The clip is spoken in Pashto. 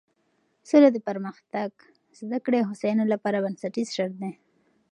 سوله د پرمختګ، زده کړې او هوساینې لپاره بنسټیز شرط دی.